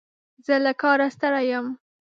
زه له کاره ستړی یم.